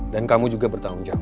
dan kamu juga bertanggung jawab